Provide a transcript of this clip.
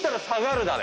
下がる。